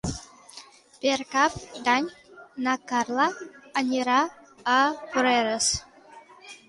Per Cap d'Any na Carla anirà a Porreres.